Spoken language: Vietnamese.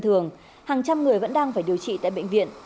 thường hàng trăm người vẫn đang phải điều trị tại bệnh viện